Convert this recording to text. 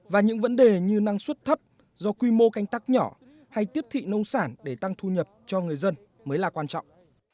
và những vấn đề như năng suất thấp do quy mô canh tắc nhỏ hay tiếp thị nông sản để tăng thu nhập cho người dân mới là quan trọng